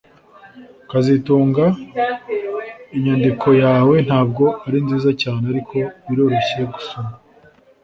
kazitunga inyandiko yawe ntabwo ari nziza cyane ariko biroroshye gusoma